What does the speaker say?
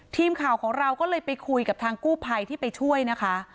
ทีมข่าวของเราก็เลยไปคุยกับทางกู้ภัยที่ไปช่วยนะคะ